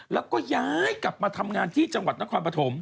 แล้วก็ย้ายกลับมาทำงานที่จังหวัดนครปฐม